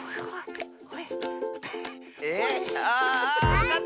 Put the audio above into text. えっ？